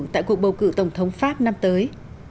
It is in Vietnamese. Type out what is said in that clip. tại cuộc bầu cử tổng thống pháp năm tới